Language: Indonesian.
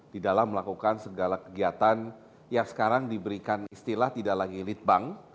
di dalam melakukan segala kegiatan yang sekarang diberikan istilah tidak lagi lead bank